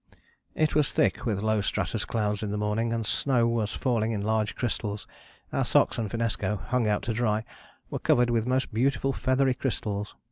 "It was thick, with low stratus clouds in the morning, and snow was falling in large crystals. Our socks and finnesko, hung out to dry, were covered with most beautiful feathery crystals.